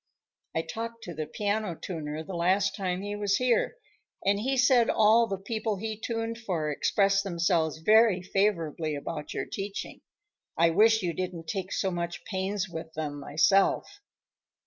I talked to the piano tuner the last time he was here, and he said all the people he tuned for expressed themselves very favorably about your teaching. I wish you didn't take so much pains with them, myself."